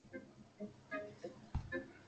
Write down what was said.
魏王于是没有杀范痤。